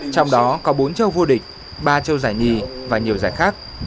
trong đó có bốn châu vô địch ba châu giải nhì và nhiều giải khác